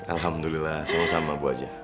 alhamdulillah sama sama bu aja